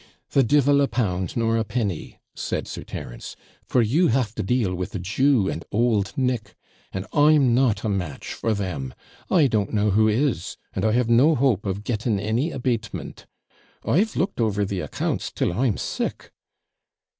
'The devil a pound, nor a penny,' said Sir Terence; 'for you have to deal with a Jew and old Nick; and I'm not a match for them. I don't know who is; and I have no hope of getting any abatement. I've looked over the accounts till I'm sick.'